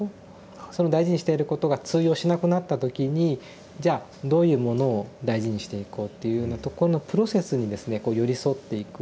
その大事にしていることが通用しなくなった時にじゃあどういうものを大事にしていこうっていうようなとこのプロセスにですねこう寄り添っていく。